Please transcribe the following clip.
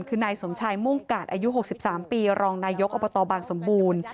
คือนายสมชายมุ่งกาดอายุ๖๓ปีรองนายกอบตบางสมบูรณ์